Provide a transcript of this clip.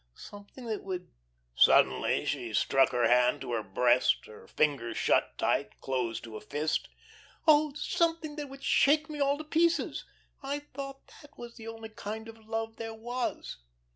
Something that would " Suddenly she struck her hand to her breast, her fingers shut tight, closing to a fist. "Oh, something that would shake me all to pieces. I thought that was the only kind of love there was."